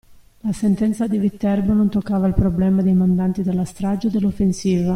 La sentenza di Viterbo non toccava il problema dei mandanti della strage e dell'offensiva.